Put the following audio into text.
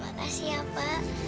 makasih ya pak